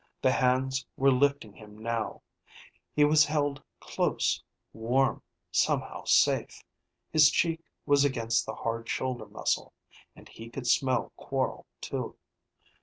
The hands were lifting him now, he was held close, warm, somehow safe. His cheek was against the hard shoulder muscle, and he could smell Quorl too.